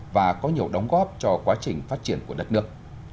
và có nhiều đóng góp cho quá trình phát triển của đất nước